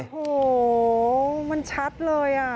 โอ้โหมันชัดเลย